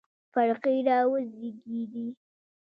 فرقې راوزېږېدې.